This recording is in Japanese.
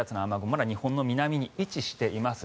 まだ日本の南に位置しています。